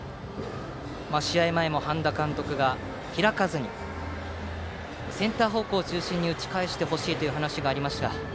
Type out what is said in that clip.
試合前も半田監督が開かずにセンター方向中心に打ち返してほしいという話がありました。